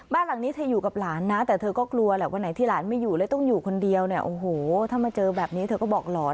บ้านหลังนี้เธออยู่กับหลานนะแต่เธอก็กลัวแหละวันไหนที่หลานไม่อยู่เลยต้องอยู่คนเดียวเนี่ยโอ้โหถ้ามาเจอแบบนี้เธอก็บอกหลอน